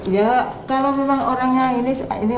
ya kalau memang orangnya ini